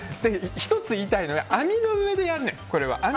１つ言いたいのが網の上でやんねん。